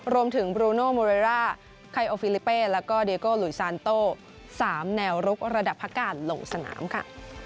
รวมถึงบรูโน่มูเรร่าไคโอฟิลิเปแล้วก็เดเกิ้ลลุยซานโตสามแนวรุกระดับพระการลงสนามค่ะ